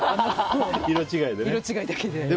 色が違うだけで。